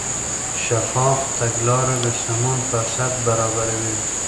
شفاف تګلاره د سمون فرصت برابروي.